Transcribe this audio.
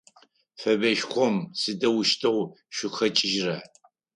Фэбэшхом сыдэущтэу шъухэкIыжьрэ?